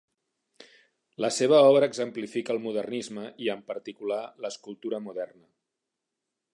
La seva obra exemplifica el modernisme i, en particular, l'escultura moderna.